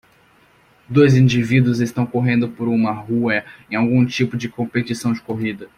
Dois indivíduos estão correndo por uma rua em algum tipo de competição de corrida.